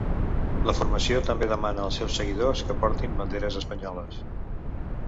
La formació també demana als seus seguidors que portin banderes espanyoles.